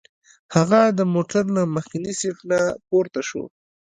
هغه د موټر له مخکیني سیټ نه پورته شو.